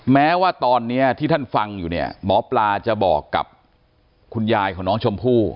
แม้ว่าตอนนี้ที่ท่านฟังอยู่เนี่ยหมอปลาจะบอกกับคุณยายของน้องชมพู่